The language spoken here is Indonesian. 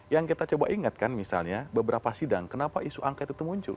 yang kita coba ingatkan misalnya beberapa sidang kenapa isu angket itu muncul